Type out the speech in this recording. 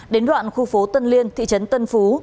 đến đoạn khu phố tân liên thị trấn tân phú